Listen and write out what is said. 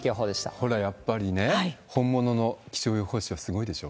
ほら、やっぱりね、本物の気象予報士はすごいでしょ？